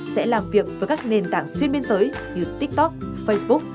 sẽ làm việc với các nền tảng xuyên biên giới như tiktok facebook